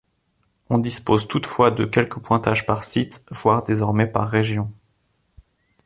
On dispose toutefois de quelques pointages par sites, voire désormais par régions.